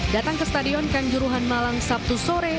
datang ke stadion kanjuruhan malang sabtu sore